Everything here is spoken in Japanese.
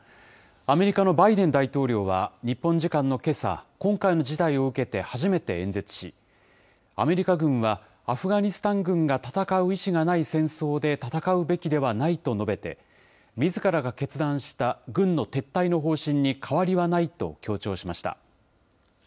アメリカのバイデン大統領は、日本時間のけさ、今回の事態を受けて、初めて演説し、アメリカ軍はアフガニスタン軍が戦う意思がない戦争で戦うべきではないと述べて、みずからが決断した軍の撤退の方針に変わりはないと強調しました。